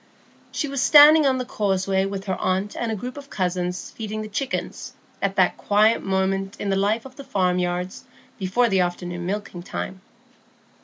She was standing on the causeway with her aunt and a group of cousins feeding the chickens, at that quiet moment in the life of the farmyards before the afternoon milking time.